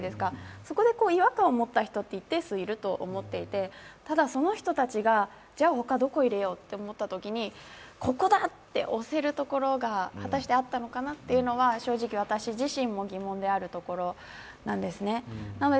そこで違和感を持った人って一定数いると思っていて、ただ、その人たちが他、どこ入れようってなったときここだ！って推せるところが果たしてあったのかなというのが正直私自身も疑問があるところなんですね。